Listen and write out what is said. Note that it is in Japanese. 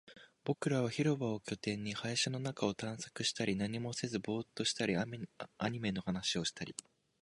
僕らは広場を拠点に、林の中を探索したり、何もせずボーっとしたり、アニメの話をしたり